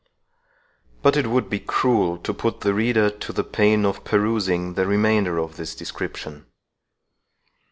But it would be cruel to put the reader to the pain of perusing the remainder of this description.